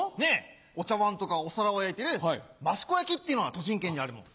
お茶わんとかお皿を焼いてる益子焼っていうのが栃木県にあるの。